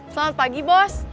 selamat pagi bos